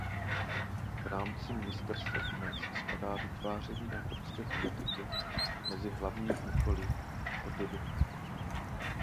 V rámci ministerstva financí spadá vytváření evropské politiky mezi hlavní úkoly odd.